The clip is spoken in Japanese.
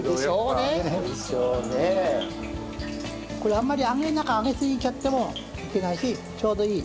これあんまり揚げすぎちゃってもいけないしちょうどいい。